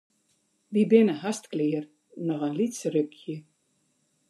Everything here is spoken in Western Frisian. Wy binne hast klear, noch in lyts rukje.